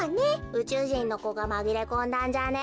うちゅうじんのこがまぎれこんだんじゃね？